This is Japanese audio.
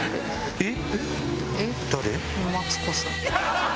えっ？